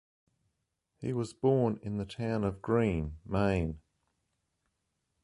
He was born in the town of Greene, Maine.